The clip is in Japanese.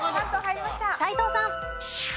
斎藤さん。